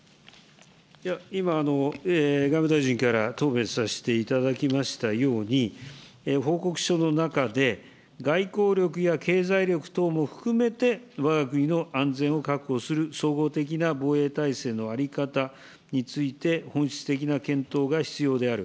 今、外務大臣から答弁させていただきましたように、報告書の中で、外交力や経済力等も含めて、わが国の安全を確保する総合的な防衛態勢の在り方について、本質的な検討が必要である。